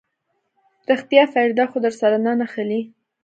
رښتيا فريده خو درسره نه نښلي.